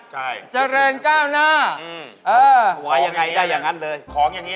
คลิกคอดฉี่